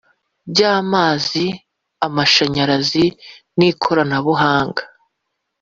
By amazi amashanyarazi n ikorabuhanga